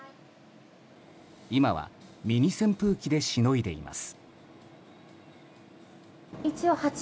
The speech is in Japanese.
今は、ミニ扇風機でしのいでいます。